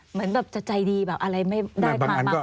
เหมือนแบบจะใจดีแบบอะไรไม่ได้มามาคุยกัน